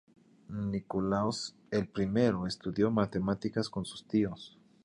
Nicolaus I estudió matemáticas con sus tíos.